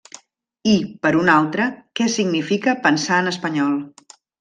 I, per un altre, què significa pensar en espanyol.